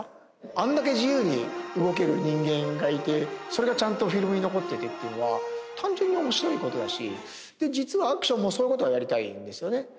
あんだけ自由に動ける人間がいてそれがちゃんとフィルムに残っていてっていうのは単純に面白いことだしで実はアクションもそういうことをやりたいんですよね